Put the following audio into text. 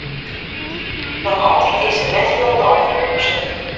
Noch altyd is se net hielendal folwoeksen.